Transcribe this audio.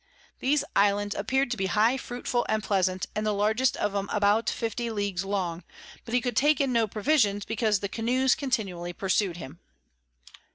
These Islands appear'd to be high, fruitful, and pleasant, and the largest of 'em about 50 Leagues long; but he could take in no Provisions, because the Canoes continually pursu'd him.